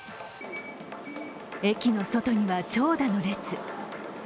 駅の外には長蛇の列。